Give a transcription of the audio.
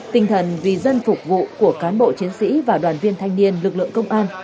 tinh thần vì dân phục vụ của cán bộ chiến sĩ và đoàn viên thanh niên lực lượng công an